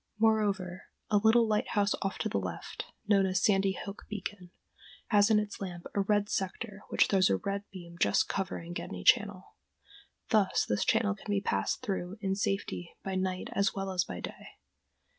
Moreover, a little lighthouse off to the left, known as Sandy Hook Beacon, has in its lamp a red sector which throws a red beam just covering Gedney Channel. Thus this channel can be passed through in safety by night as well as by day.